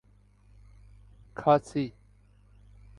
کھاسی